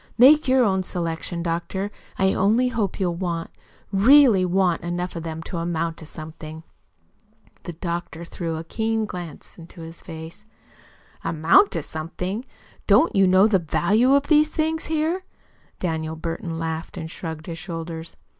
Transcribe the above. Make your own selection, doctor. I only hope you'll want really WANT enough of them to amount to something." The doctor threw a keen glance into his face. "Amount to something! Don't you know the value of these things here?" Daniel Burton laughed and shrugged his shoulders.